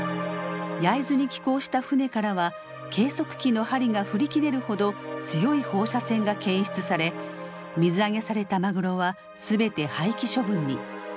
焼津に帰港した船からは計測器の針が振り切れるほど強い放射線が検出され水揚げされたマグロは全て廃棄処分に。